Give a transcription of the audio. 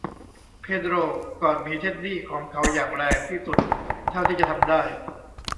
เพโดรกอดหมีเท็ดดี้ของเขาอย่างแรงที่สุดเท่าที่จะทำได้